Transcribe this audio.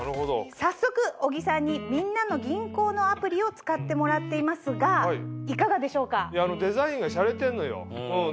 早速小木さんに「みんなの銀行」のアプリを使ってもらっていますがいかがでしょうか？